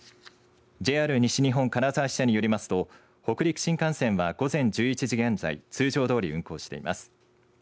ＪＲ西日本金沢支社によりますと北陸新幹線は、午前１１時現在通常どおり運行しています。